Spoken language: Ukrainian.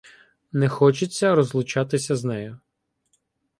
Не хочеться розлучатися з нею.